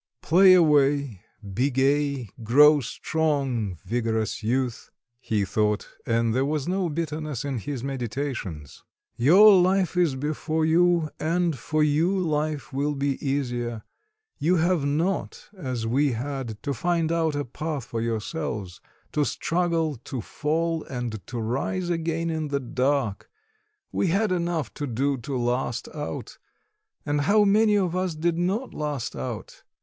"Play away, be gay, grow strong, vigorous youth!" he thought, and there was no bitterness in his meditations; "your life is before you, and for you life will be easier; you have not, as we had, to find out a path for yourselves, to struggle, to fall, and to rise again in the dark; we had enough to do to last out and how many of us did not last out?